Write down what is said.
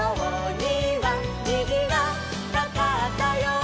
「にじがかかったよ」